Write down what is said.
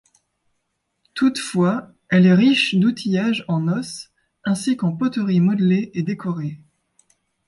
Toutefois, elle est riche d'outillage en os ainsi qu'en poterie modelée et décorée.